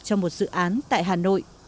trong một dự án tại hà nội